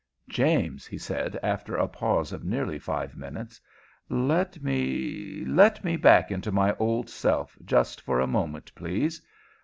"James," he said, after a pause of nearly five minutes, "let me let me back into my old self just for a moment, please.